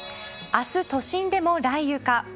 明日、都心でも雷雨か。